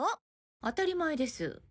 当たり前です。